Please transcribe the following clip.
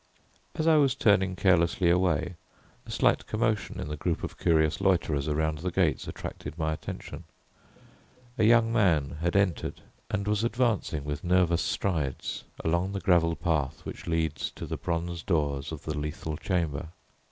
As I was turning carelessly away, a slight commotion in the group of curious loiterers around the gates attracted my attention. A young man had entered, and was advancing with nervous strides along the gravel path which leads to the bronze doors of the Lethal Chamber.